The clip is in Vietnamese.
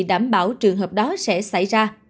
đảm bảo trường hợp đó sẽ xảy ra